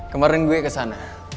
kemarin gue kesana